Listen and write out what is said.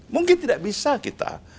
mungkin tidak bisa kita